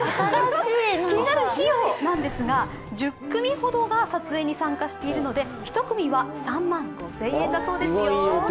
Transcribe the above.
気になる費用なんですが、１０組ほどが撮影に参加しているので１組は３万５０００円だそうですよ。